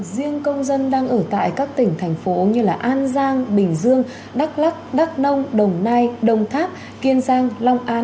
riêng công dân đang ở tại các tỉnh thành phố như an giang bình dương đắk lắc đắk nông đồng nai đồng tháp kiên giang long an